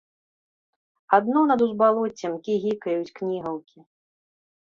Адно над узбалоццем кігікаюць кнігаўкі.